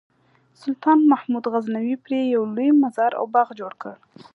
سلطان محمود غزنوي پرې یو لوی مزار او باغ جوړ کړ.